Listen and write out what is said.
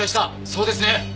そうですね？